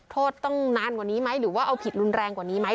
ต้องนานกว่านี้ไหมหรือว่าเอาผิดรุนแรงกว่านี้ไหม